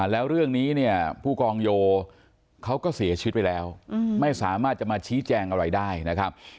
แล้วเรื่องนี้เนี่ยผู้กองโยเขาก็เสียชีวิตไปแล้วไม่สามารถจะมาชี้แจงอะไรได้นะครับ